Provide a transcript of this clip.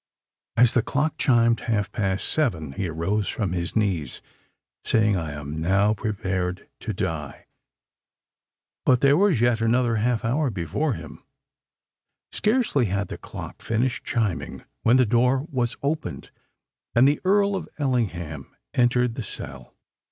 As the clock chimed half past seven, he arose from his knees, saying, "I am now prepared to die." But there was yet another half hour before him. Scarcely had the clock finished chiming, when the door was opened, and the Earl of Ellingham entered the cell.